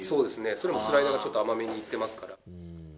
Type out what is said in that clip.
それもスライダーがちょっと甘めにいってますから。